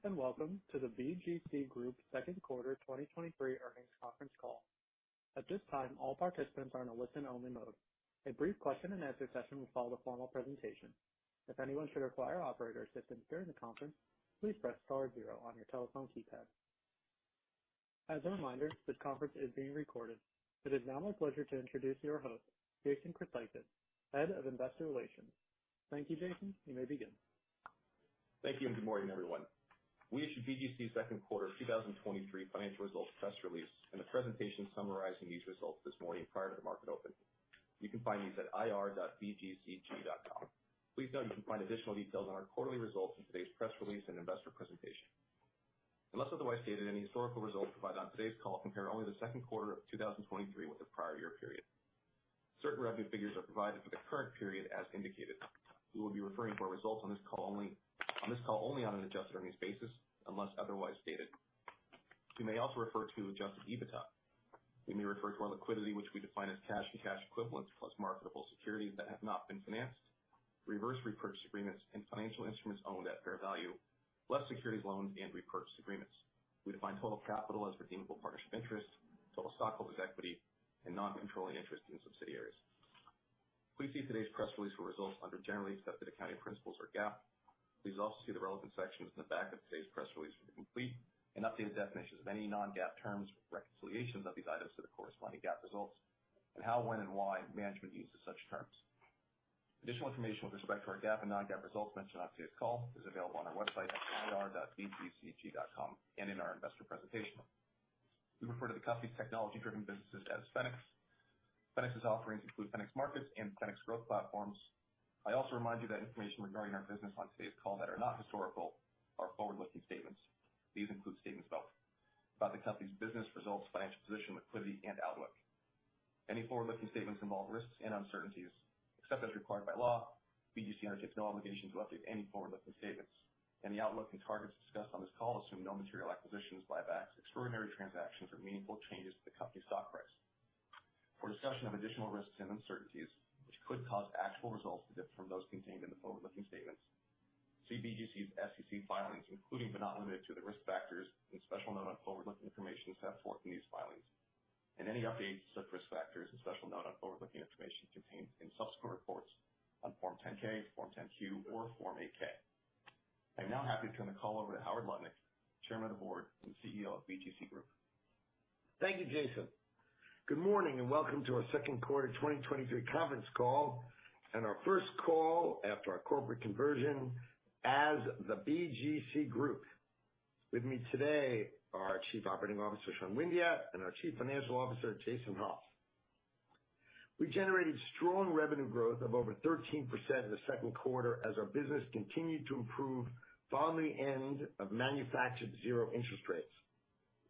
Welcome to the BGC Group second quarter 2023 earnings Conference Call. At this time, all participants are in a listen-only mode. A brief question-and-answer session will follow the formal presentation. If anyone should require operator assistance during the conference, please press star zero on your telephone keypad. As a reminder, this conference is being recorded. It is now my pleasure to introduce your host, Jason Chryssicas, Head of Investor Relations. Thank you, Jason. You may begin. Thank you. Good morning, everyone. We issued BGC's 2Q 2023 financial results press release and a presentation summarizing these results this morning prior to the market opening. You can find these at ir.bgcg.com. Please note you can find additional details on our quarterly results in today's press release and investor presentation. Unless otherwise stated, any historical results provided on today's call compare only the 2Q of 2023 with the prior year period. Certain revenue figures are provided for the current period as indicated. We will be referring to our results on this call only on an adjusted earnings basis, unless otherwise stated. We may also refer to Adjusted EBITDA. We may refer to our liquidity, which we define as cash and cash equivalents, plus marketable securities that have not been financed, reverse repurchase agreements, and financial instruments owned at fair value, less securities, loans, and repurchase agreements. We define total capital as redeemable partnership interest, total stockholders' equity, and non-controlling interest in subsidiaries. Please see today's press release for results under generally accepted accounting principles or GAAP. Please also see the relevant sections in the back of today's press release for the complete and updated definitions of any Non-GAAP terms, reconciliations of these items to the corresponding GAAP results, and how, when, and why management uses such terms. Additional information with respect to our GAAP and Non-GAAP results mentioned on today's call is available on our website at ir.bgcg.com and in our investor presentation. We refer to the company's technology-driven businesses as FENICS. FENICS's offerings include FENICS Markets and FENICS Growth Platforms. I also remind you that information regarding our business on today's call that are not historical are forward-looking statements. These include statements about the company's business results, financial position, liquidity, and outlook. Any forward-looking statements involve risks and uncertainties. Except as required by law, BGC undertakes no obligations to update any forward-looking statements, and the outlook and targets discussed on this call assume no material acquisitions, buybacks, extraordinary transactions, or meaningful changes to the company's stock price. For a discussion of additional risks and uncertainties, which could cause actual results to differ from those contained in the forward-looking statements, see BGC's SEC filings, including but not limited to the risk factors and special note on forward-looking information set forth in these filings, and any updates to such risk factors and special note on forward-looking information contained in subsequent reports on Form 10-K, Form 10-Q, or Form 8-K. I'm now happy to turn the call over to Howard Lutnick, Chairman of the Board and CEO of BGC Group. Thank you, Jason. Welcome to our second quarter 2023 Conference Call, and our first call after our corporate conversion as the BGC Group. With me today are our Chief Operating Officer, Sean Windeatt, and our Chief Financial Officer, Jason Hauf. We generated strong revenue growth of over 13% in the second quarter as our business continued to improve following the end of manufactured zero interest rates.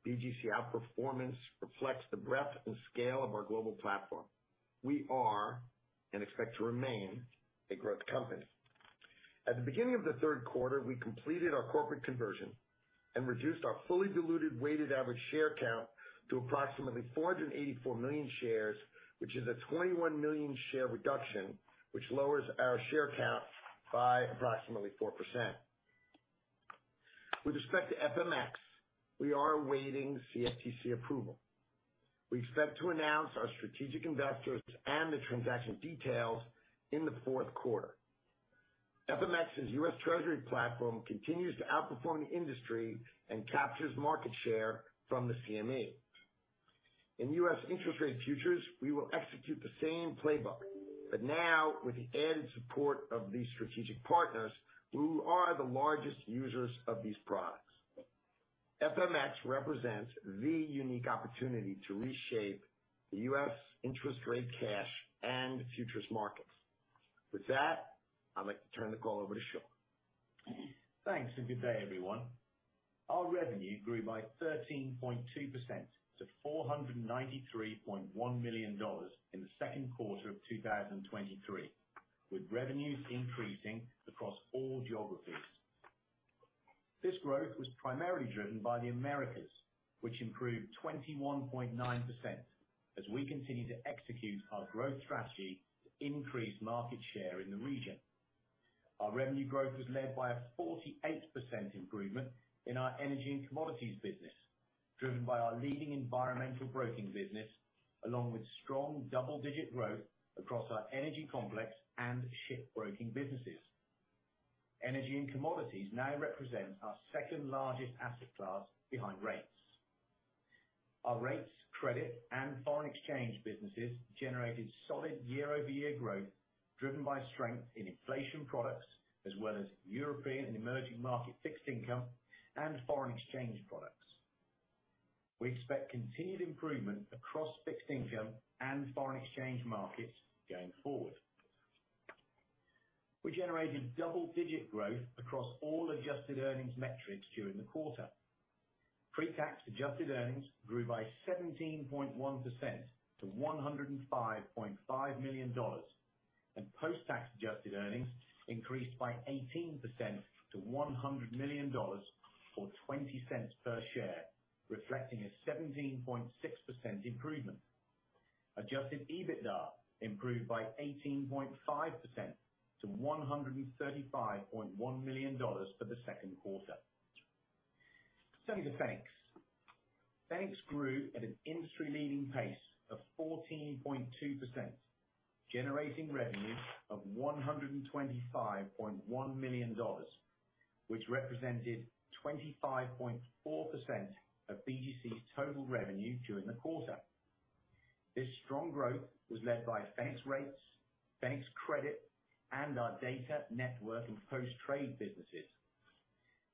BGC outperformance reflects the breadth and scale of our global platform. We are, and expect to remain, a growth company. At the beginning of the third quarter, we completed our corporate conversion and reduced our fully diluted weighted average share count to approximately 484 million shares, which is a 21 million share reduction, which lowers our share count by approximately 4%. With respect to FMX, we are awaiting CFTC approval. We expect to announce our strategic investors and the transaction details in the fourth quarter. FMX's U.S. Treasury platform continues to outperform the industry and captures market share from the CME. In U.S. interest rate futures, we will execute the same playbook, but now with the added support of these strategic partners who are the largest users of these products. FMX represents the unique opportunity to reshape the U.S. interest rate, cash, and futures markets. With that, I'd like to turn the call over to Sean. Thanks, and good day, everyone. Our revenue grew by 13.2% to $493.1 million in 2Q 2023, with revenues increasing across all geographies. This growth was primarily driven by the Americas, which improved 21.9% as we continue to execute our growth strategy to increase market share in the region. Our revenue growth was led by a 48% improvement in our energy and commodities business, driven by our leading environmental broking business, along with strong double-digit growth across our energy complex and shipbroking businesses. Energy and commodities now represent our second largest asset class behind rates. Our rates, credit, and foreign exchange businesses generated solid year-over-year growth, driven by strength in inflation products, as well as European and emerging market fixed income and foreign exchange products. We expect continued improvement across fixed income and foreign exchange markets going forward. We generated double-digit growth across all Adjusted EBITDA metrics during the quarter. Pre-tax adjusted earnings grew by 17.1% to $105.5 million, post-tax adjusted earnings increased by 18% to $100 million, or $0.20 per share, reflecting a 17.6% improvement. Adjusted EBITDA improved by 18.5% to $135.1 million for the second quarter. Turning to FENICS. FENICS grew at an industry-leading pace of 14.2%, generating revenue of $125.1 million, which represented 25.4% of BGC's total revenue during the quarter. This strong growth was led by Fenics Rates, Fenics Credit, and our Data, Network, and Post-Trade businesses.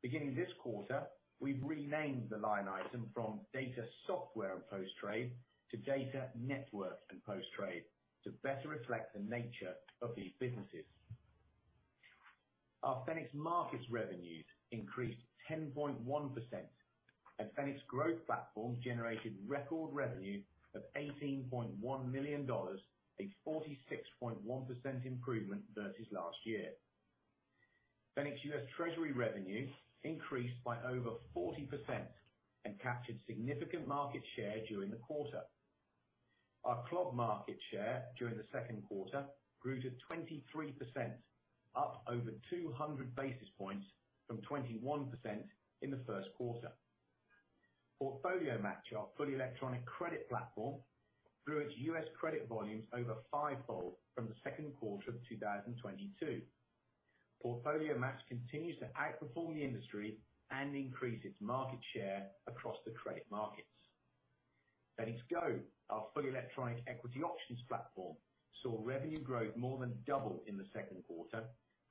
Beginning this quarter, we've renamed the line item from Data, Software, and Post-Trade to Data, Network, and Post-Trade, to better reflect the nature of these businesses. Our FENICS Markets revenues increased 10.1%. Fenics Growth Platform generated record revenue of $18.1 million, a 46.1% improvement versus last year. Fenics U.S. Treasury revenue increased by over 40% and captured significant market share during the quarter. Our clock market share during the second quarter grew to 23%, up over 200 basis points from 21% in the first quarter. PortfolioMatch, our fully electronic credit platform, grew its U.S. credit volumes over fivefold from the second quarter of 2022. Portfolio Match continues to outperform the industry and increase its market share across the credit markets. FENICS GO, our fully electronic equity options platform, saw revenue growth more than double in the second quarter,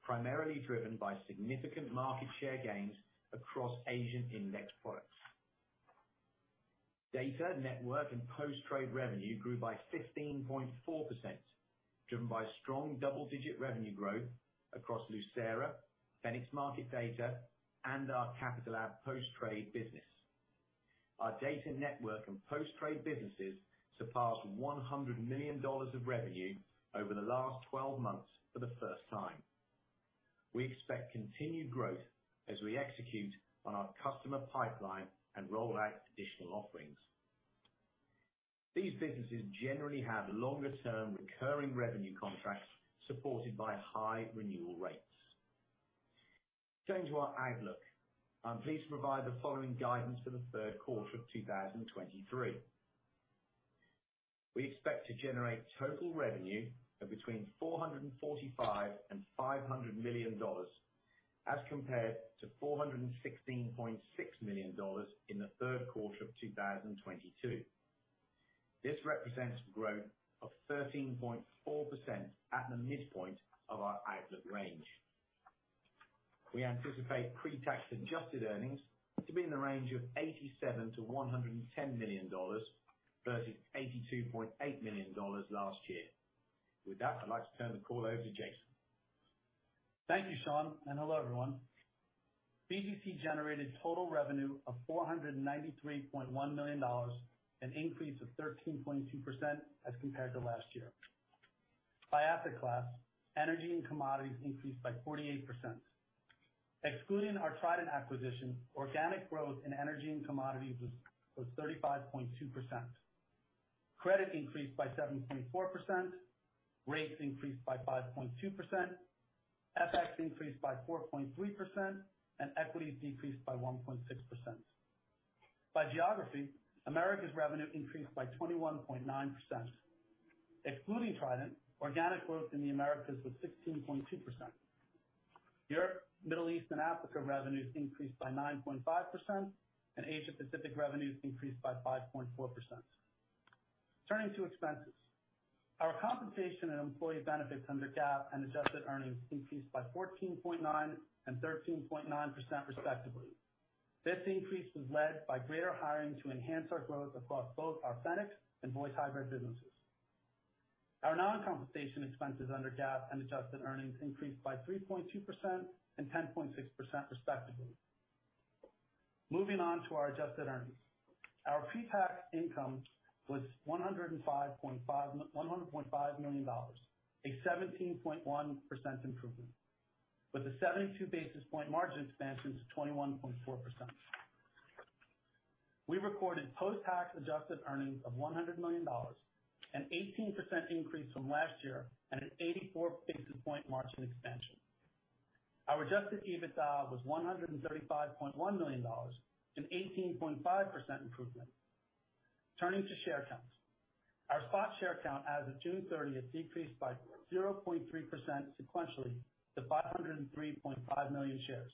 primarily driven by significant market share gains across Asian index products. Data, Network, and Post-Trade revenue grew by 15.4%, driven by strong double-digit revenue growth across Lucera, FENICS Market Data, and our Capitalab Post-Trade business. Our Data, Network, and Post-Trade businesses surpassed $100 million of revenue over the last 12 months for the first time. We expect continued growth as we execute on our customer pipeline and roll out additional offerings. These businesses generally have longer-term recurring revenue contracts, supported by high renewal rates. Turning to our outlook, I'm pleased to provide the following guidance for the third quarter of 2023. We expect to generate total revenue of between $445 million and $500 million, as compared to $416.6 million in the third quarter of 2022. This represents growth of 13.4% at the midpoint of our outlook range. We anticipate pre-tax Adjusted EBITDA to be in the range of $87 million-$110 million versus $82.8 million last year. With that, I'd like to turn the call over to Jason. Thank you, Sean, and hello, everyone. BGC generated total revenue of $493.1 million, an increase of 13.2% as compared to last year. By asset class, energy and commodities increased by 48%. Excluding our Trident acquisition, organic growth in energy and commodities was 35.2%. Credit increased by 7.4%, rates increased by 5.2%, FX increased by 4.3%, and equities decreased by 1.6%. By geography, Americas revenue increased by 21.9%. Excluding Trident, organic growth in the Americas was 16.2%. Europe, Middle East, and Africa revenues increased by 9.5%, and Asia Pacific revenues increased by 5.4%. Turning to expenses. Our compensation and employee benefits under GAAP and adjusted earnings increased by 14.9% and 13.9% respectively. This increase was led by greater hiring to enhance our growth across both our FENICS and Voice/Hybrid businesses. Our non-compensation expenses under GAAP and adjusted earnings increased by 3.2% and 10.6% respectively. Moving on to our adjusted earnings. Our pre-tax income was $100.5 million, a 17.1% improvement, with a 72 basis point margin expansion to 21.4%. We recorded post-tax adjusted earnings of $100 million, an 18% increase from last year, and an 84 basis point margin expansion. Our Adjusted EBITDA was $135.1 million, an 18.5% improvement. Turning to share counts. Our spot share count as of June 30th decreased by 0.3% sequentially to 503.5 million shares.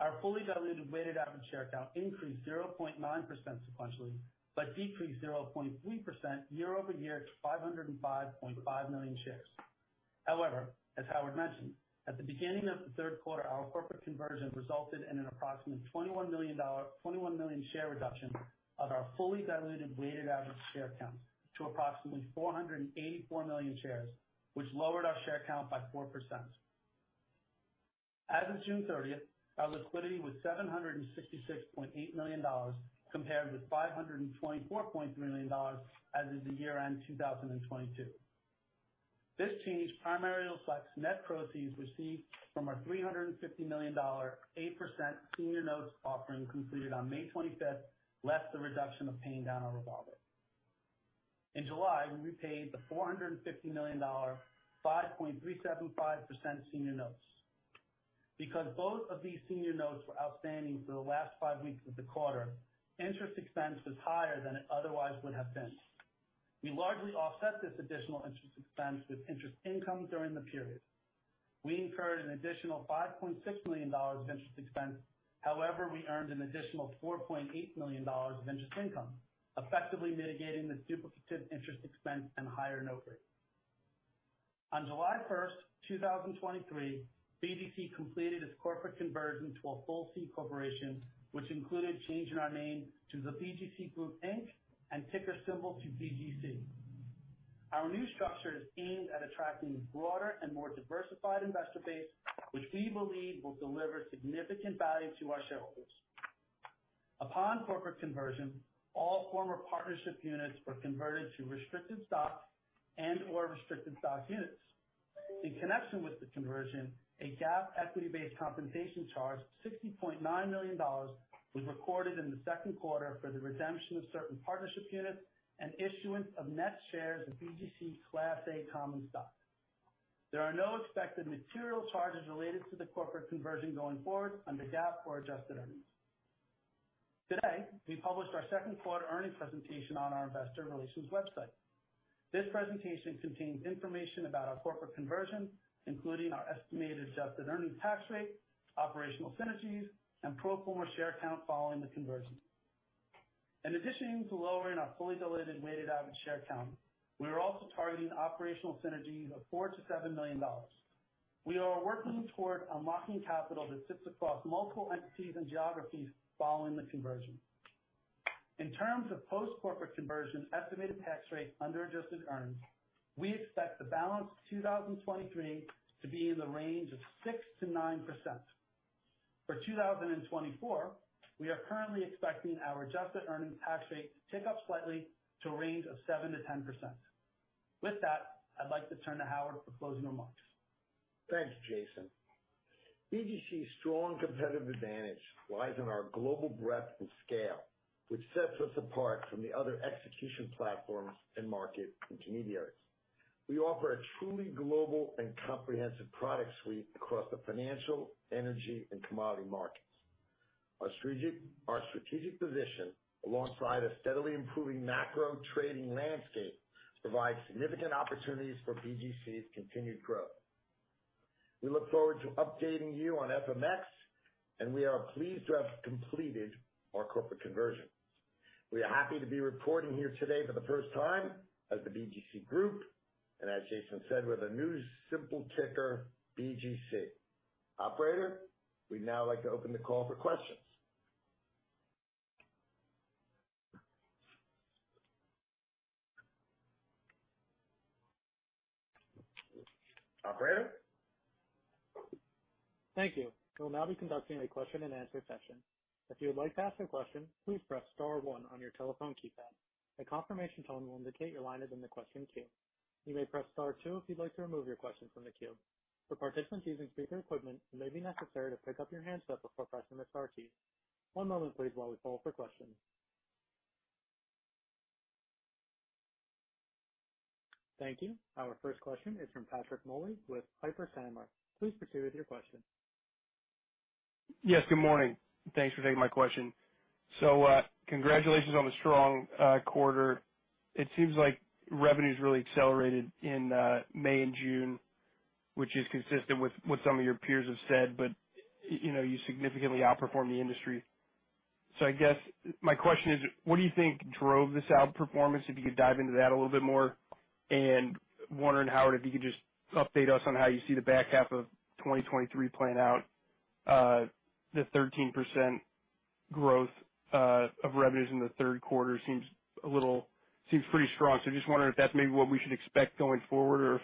Our fully diluted weighted average share count increased 0.9% sequentially, but decreased 0.3% year-over-year to 505.5 million shares. However, as Howard mentioned, at the beginning of the 3rd quarter, our corporate conversion resulted in an approximately 21 million share reduction of our fully diluted weighted average share count to approximately 484 million shares, which lowered our share count by 4%. As of June 30th, our liquidity was $766.8 million, compared with $524.3 million as of the year-end 2022. This change primarily reflects net proceeds received from our $350 million, 8% senior notes offering completed on May 25th, less the reduction of paying down our revolver. In July, we repaid the $450 million, 5.375% senior notes. Because both of these senior notes were outstanding for the last five weeks of the quarter, interest expense was higher than it otherwise would have been. We largely offset this additional interest expense with interest income during the period. We incurred an additional $5.6 million of interest expense, however, we earned an additional $4.8 million of interest income, effectively mitigating the duplicative interest expense and higher note rate. On July 1, 2023, BGC completed its corporate conversion to a full C corporation, which included changing our name to The BGC Group, Inc., and ticker symbol to BGC. Our new structure is aimed at attracting a broader and more diversified investor base, which we believe will deliver significant value to our shareholders. Upon corporate conversion, all former partnership units were converted to restricted stock and/or restricted stock units. In connection with the conversion, a GAAP equity-based compensation charge of $60.9 million was recorded in the second quarter for the redemption of certain partnership units and issuance of net shares of BGC Class A common stock. There are no expected material charges related to the corporate conversion going forward under GAAP or adjusted earnings. Today, we published our second quarter earnings presentation on our investor relations website. This presentation contains information about our corporate conversion, including our estimated adjusted earnings tax rate, operational synergies, and pro forma share count following the conversion. In addition to lowering our fully diluted weighted average share count, we are also targeting operational synergies of $4 million-$7 million. We are working toward unlocking capital that sits across multiple entities and geographies following the conversion. In terms of post-corporate conversion estimated tax rate under adjusted earnings, we expect the balance of 2023 to be in the range of 6%-9%. For 2024, we are currently expecting our adjusted earnings tax rate to tick up slightly to a range of 7%-10%. With that, I'd like to turn to Howard for closing remarks. Thanks, Jason. BGC's strong competitive advantage lies in our global breadth and scale, which sets us apart from the other execution platforms and market intermediaries. We offer a truly global and comprehensive product suite across the financial, energy, and commodity markets. Our strategic position, alongside a steadily improving macro trading landscape, provides significant opportunities for BGC's continued growth. We look forward to updating you on FMX, and we are pleased to have completed our corporate conversion. We are happy to be reporting here today for the first time as the BGC Group, and as Jason said, with a new simple ticker, BGC. Operator, we'd now like to open the call for questions. Operator? Thank you. We'll now be conducting a question-and-answer session. If you would like to ask a question, please press star one on your telephone keypad. A confirmation tone will indicate your line is in the question queue. You may press star two if you'd like to remove your question from the queue. For participants using speaker equipment, it may be necessary to pick up your handset before pressing the star key. One moment, please, while we poll for questions. Thank you. Our first question is from Patrick Moley with Piper Sandler. Please proceed with your question. Yes, good morning. Thanks for taking my question. Congratulations on the strong quarter. It seems like revenue's really accelerated in May and June, which is consistent with what some of your peers have said, but, y- you know, you significantly outperformed the industry. I guess my question is, what do you think drove this outperformance, if you could dive into that a little bit more? Wondering, Howard, if you could just update us on how you see the back half of 2023 playing out. The 13% growth of revenues in the third quarter seems a little, seems pretty strong. Just wondering if that's maybe what we should expect going forward, or if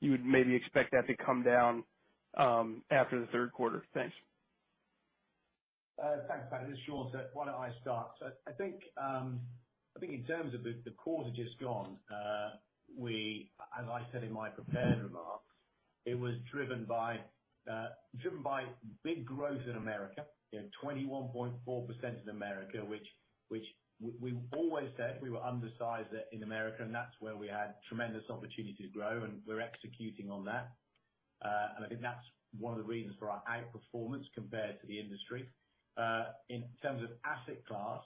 you would maybe expect that to come down after the third quarter? Thanks. Thanks, Patrick. It's Sean, so why don't I start? I think in terms of the quarter just gone, we. As I said in my prepared remarks, it was driven by driven by big growth in America, you know, 21.4% in America, which, which we, we always said we were undersized in America, and that's where we had tremendous opportunity to grow, and we're executing on that. I think that's one of the reasons for our outperformance compared to the industry. In terms of asset class,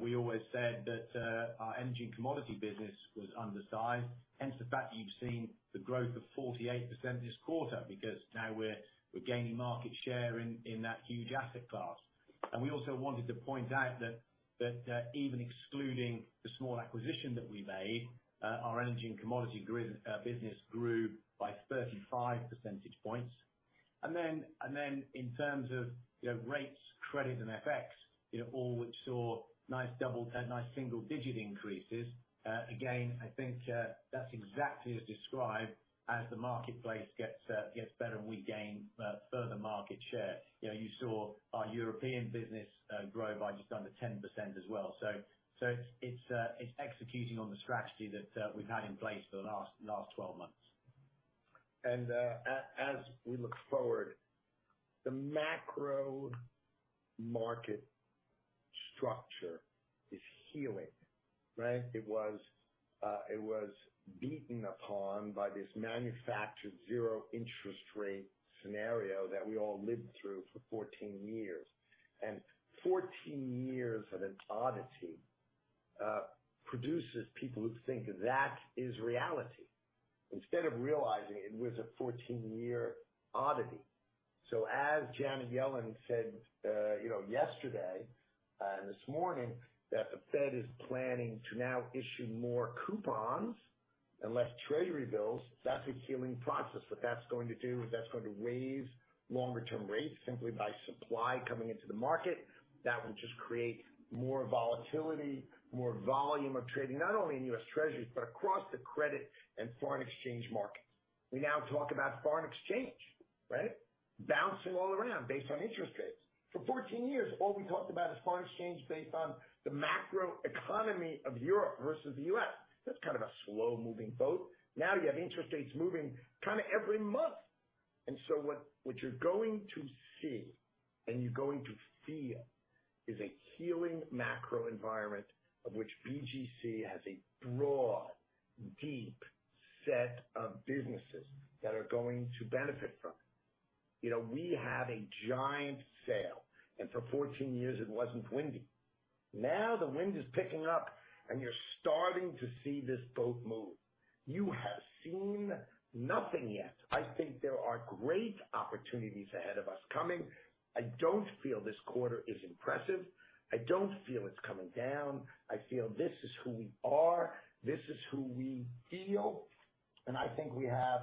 we always said that our energy and commodity business was undersized, hence the fact that you've seen the growth of 48% this quarter, because now we're, we're gaining market share in, in that huge asset class. We also wanted to point out that, even excluding the small acquisition that we made, our energy and commodity business grew by 35 percentage points. Then, in terms of, you know, rates, credit, and FX, you know, all which saw nice double nice single digit increases, again, I think, that's exactly as described as the marketplace gets better and we gain further market share. You know, you saw our European business grow by just under 10% as well. It's executing on the strategy that we've had in place for the last 12 months.... As we look forward, the macro market structure is healing, right? It was, it was beaten upon by this manufactured zero interest rate scenario that we all lived through for 14 years. 14 years of an oddity produces people who think that is reality, instead of realizing it was a 14-year oddity. As Janet Yellen said, you know, yesterday, and this morning, that the Fed is planning to now issue more coupons and less Treasury bills, that's a healing process. What that's going to do is that's going to raise longer-term rates simply by supply coming into the market. That will just create more volatility, more volume of trading, not only in U.S. Treasuries, but across the credit and foreign exchange markets. We now talk about foreign exchange, right? Bouncing all around based on interest rates. For 14 years, all we talked about is foreign exchange based on the macro economy of Europe versus the U.S. That's kind of a slow-moving boat. Now you have interest rates moving kind of every month. So what, what you're going to see, and you're going to feel, is a healing macro environment of which BGC has a broad, deep set of businesses that are going to benefit from it. You know, we have a giant sail, and for 14 years it wasn't windy. Now the wind is picking up, and you're starting to see this boat move. You have seen nothing yet. I think there are great opportunities ahead of us coming. I don't feel this quarter is impressive. I don't feel it's coming down. I feel this is who we are, this is who we feel, and I think we have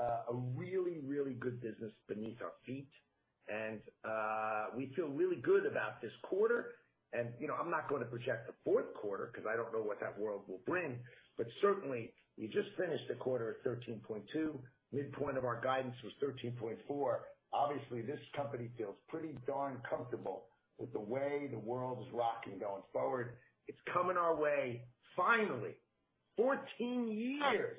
a really, really good business beneath our feet. We feel really good about this quarter. You know, I'm not going to project the fourth quarter because I don't know what that world will bring, but certainly we just finished a quarter at 13.2. Midpoint of our guidance was 13.4. Obviously, this company feels pretty darn comfortable with the way the world is rocking going forward. It's coming our way, finally! 14 years,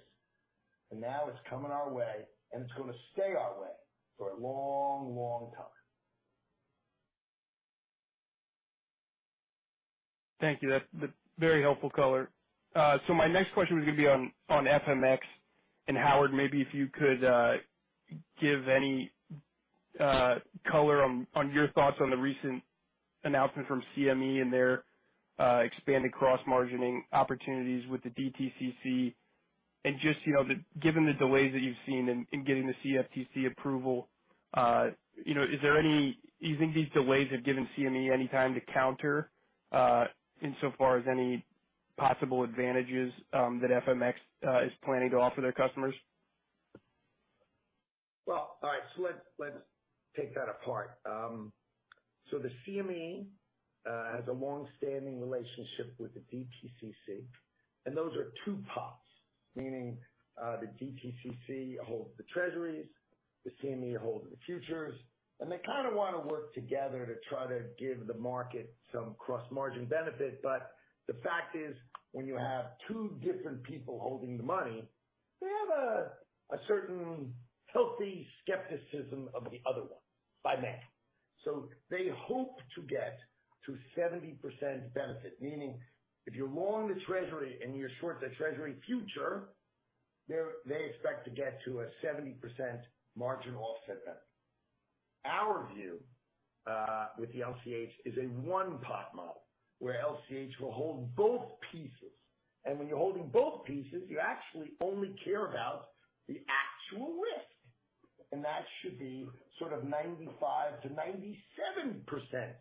and now it's coming our way, and it's going to stay our way for a long, long time. Thank you. That's a very helpful color. My next question was going to be on, on FMX. Howard, maybe if you could, give any, color on, on your thoughts on the recent announcement from CME and their, expanded cross-margining opportunities with the DTCC. Just, you know, Given the delays that you've seen in, in getting the CFTC approval, you know, do you think these delays have given CME any time to counter, insofar as any possible advantages, that FMX, is planning to offer their customers? Well, all right, let's take that apart. The CME has a long-standing relationship with the DTCC, and those are two pots, meaning, the DTCC holds the Treasuries, the CME holds the futures, and they kind of want to work together to try to give the market some cross-margin benefit. The fact is, when you have two different people holding the money, they have a certain healthy skepticism of the other one, by man. They hope to get to 70% benefit, meaning if you're long the Treasury and you're short the Treasury future, they're, they expect to get to a 70% margin offset benefit. Our view with the LCH is a one-pot model, where LCH will hold both pieces, and when you're holding both pieces, you actually only care about the actual risk, and that should be sort of 95%-97%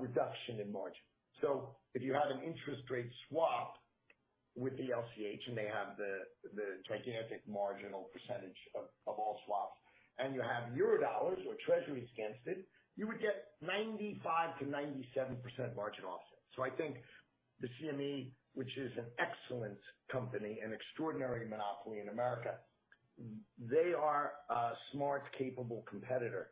reduction in margin. If you had an interest rate swap with the LCH, and they have the, the gigantic marginal percentage of, of all swaps, and you have Eurodollars or Treasuries against it, you would get 95%-97% margin offset. I think the CME, which is an excellent company, an extraordinary monopoly in America, they are a smart, capable competitor.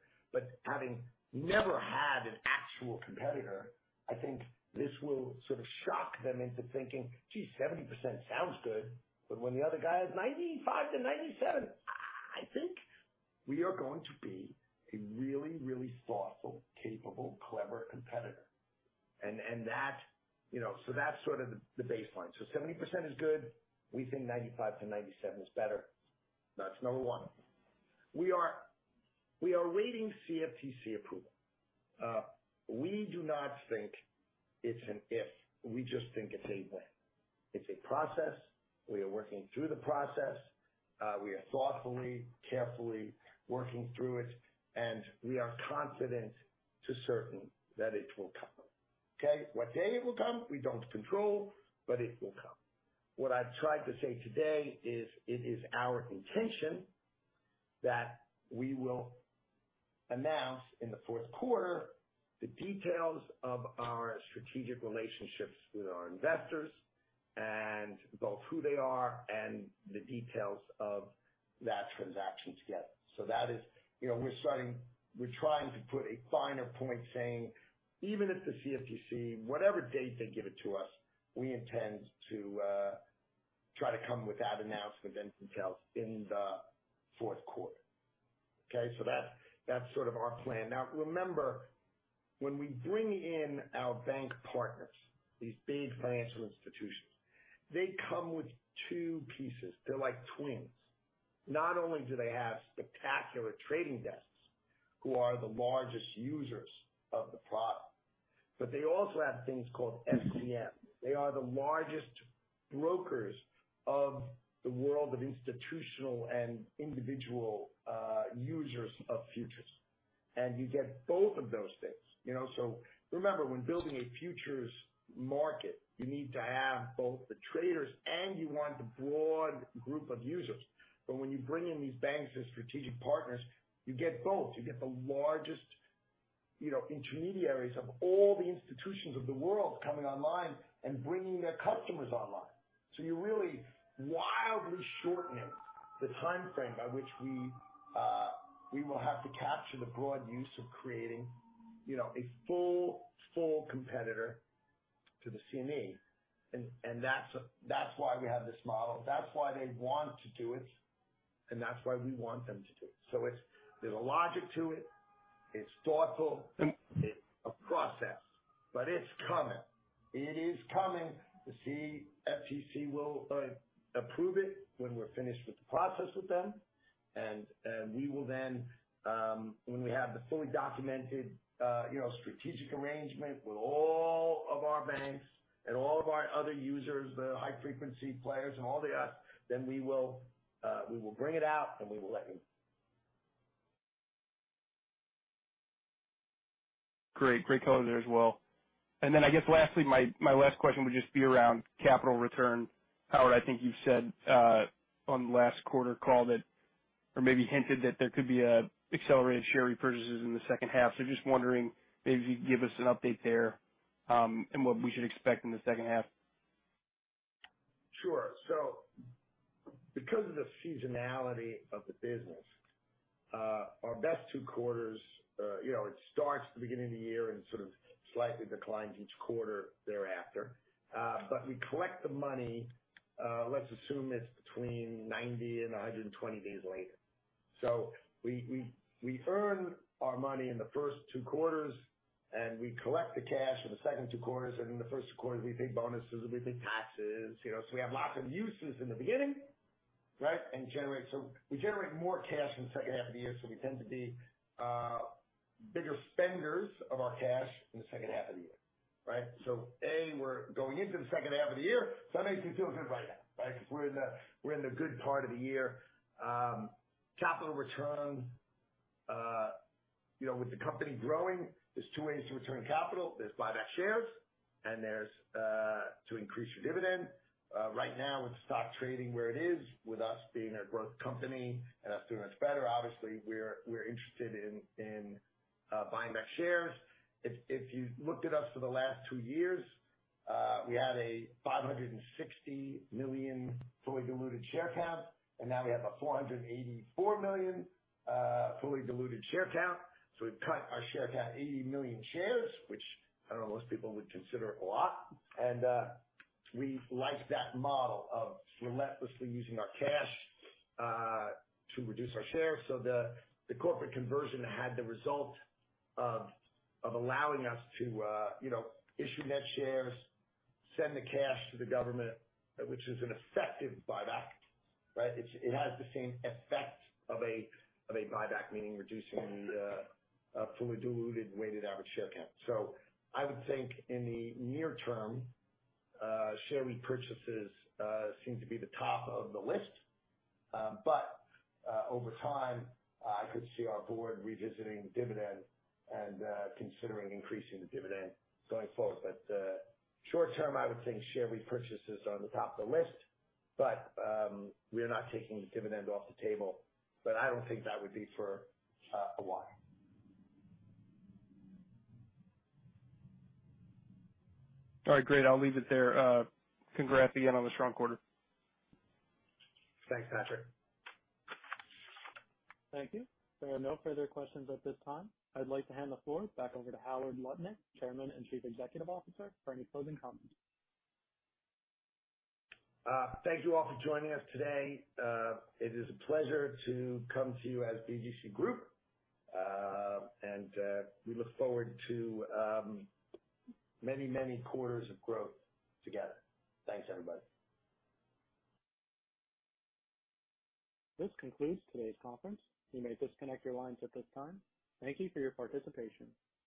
Having never had an actual competitor, I think this will sort of shock them into thinking, "Gee, 70% sounds good, but what if the other guy has 95%-97%?" I think we are going to be a really, really thoughtful, capable, clever competitor. That's. You know, that's sort of the, the baseline. 70% is good. We think 95%-97% is better. That's number one. We are, we are awaiting CFTC approval. We do not think it's an if, we just think it's a when. It's a process. We are working through the process. We are thoughtfully, carefully working through it, and we are confident to certain that it will come. Okay? What day it will come, we don't control, but it will come. What I've tried to say today is, it is our intention that we will announce in the fourth quarter the details of our strategic relationships with our investors, and both who they are and the details of that transaction. That is, you know, we're trying to put a finer point saying, even if the CFTC, whatever date they give it to us, we intend to try to come with that announcement in itself in the fourth quarter. Okay. That, that's sort of our plan. Remember, when we bring in our bank partners, these big financial institutions, they come with two pieces. They're like twins. Not only do they have spectacular trading desks, who are the largest users of the product, but they also have things called FCM. They are the largest brokers of the world of institutional and individual users of futures. You get both of those things. You know, remember, when building a futures market, you need to have both the traders and you want the broad group of users. When you bring in these banks as strategic partners, you get both. You get the largest, you know, intermediaries of all the institutions of the world coming online and bringing their customers online. You're really wildly shortening the time frame by which we will have to capture the broad use of creating, you know, a full, full competitor to the CME. That's, that's why we have this model. That's why they want to do it, and that's why we want them to do it. There's a logic to it. It's thoughtful. It's a process, but it's coming. It is coming! The CFTC will approve it when we're finished with the process with them, and we will then, when we have the fully documented, you know, strategic arrangement with all of our banks and all of our other users, the high-frequency players and all the else, then we will bring it out, and we will let you. Great. Great color there as well. I guess lastly, my last question would just be around capital return. Howard, I think you said on last quarter call that, or maybe hinted that there could be accelerated share repurchases in the second half. Just wondering if you'd give us an update there, and what we should expect in the second half. Sure. Because of the seasonality of the business, our best two quarters, you know, it starts at the beginning of the year and sort of slightly declines each quarter thereafter. We collect the money, let's assume it's between 90 and 120 days later. We, we, we earn our money in the first two quarters, and we collect the cash in the second two quarters, and in the first two quarters, we pay bonuses, and we pay taxes. You know, we have lots of uses in the beginning, right? We generate more cash in the second half of the year, so we tend to be bigger spenders of our cash in the second half of the year, right? A, we're going into the second half of the year, so that makes me feel good right now, right? Because we're in the, we're in the good part of the year. Capital return, you know, with the company growing, there's two ways to return capital. There's buy back shares, and there's to increase your dividend. Right now, with the stock trading where it is, with us being a growth company and us doing this better, obviously, we're, we're interested in, in buying back shares. If, if you looked at us for the last two years, we had a 560 million fully diluted share count, and now we have a 484 million fully diluted share count. We've cut our share count, 80 million shares, which I don't know, most people would consider a lot. We like that model of relentlessly using our cash to reduce our shares. The corporate conversion had the result of allowing us to, you know, issue net shares, send the cash to the government, which is an effective buyback, right? It has the same effect of a buyback, meaning reducing the fully diluted weighted average share count. I would think in the near-term, share repurchases seem to be the top of the list. Over time, I could see our board revisiting dividend and considering increasing the dividend going forward. Short-term, I would think share repurchases are on the top of the list, but we are not taking the dividend off the table. I don't think that would be for a while. All right, great. I'll leave it there. Congrats again on the strong quarter. Thanks, Patrick. Thank you. There are no further questions at this time. I'd like to hand the floor back over to Howard Lutnick, Chairman and Chief Executive Officer, for any closing comments. Thank you all for joining us today. It is a pleasure to come to you as BGC Group. We look forward to many, many quarters of growth together. Thanks, everybody. This concludes today's conference. You may disconnect your lines at this time. Thank you for your participation.